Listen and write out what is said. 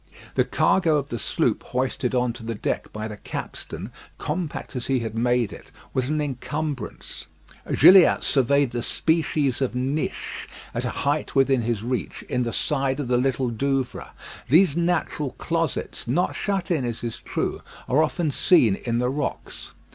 The cargo of the sloop hoisted on to the deck by the capstan, compact as he had made it, was an encumbrance. Gilliatt surveyed the species of niche, at a height within his reach, in the side of the Little Douvre. These natural closets, not shut in, it is true, are often seen in the rocks.